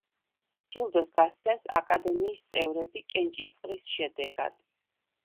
ჯილდოს გასცემს აკადემიის წევრები კენჭისყრის შედეგად.